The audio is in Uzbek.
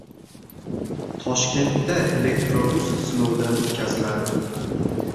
Toshkentda elektrobus sinovdan o‘tkaziladi